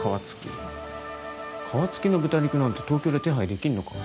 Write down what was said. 皮付きの豚肉なんて東京で手配できんのか？